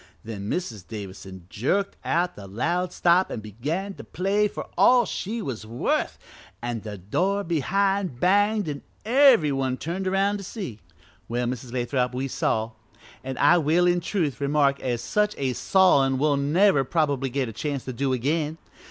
Then Mrs. Davison jerked out the loud stop an' began to play for all she was worth, an' the door behind banged an' every one turned aroun' to see. "Well, Mrs. Lathrop, we saw, an' I will in truth remark as such a sawin' we'll never probably get a chance to do again!